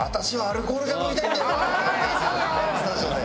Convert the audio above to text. スタジオで。